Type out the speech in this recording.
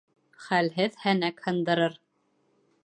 Хәлһеҙ һәнәк һындырыр.